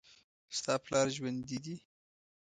ستا پلار ژوندي دي